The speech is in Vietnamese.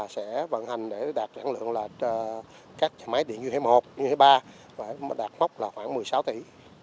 sẽ vận hành để đạt giản lượng các nhà máy điện như thế một như thế ba đạt góc khoảng một mươi sáu tỷ